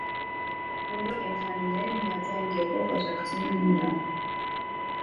Բոլոր կենդանիները միաձայն կերպով աջակցում են նրան։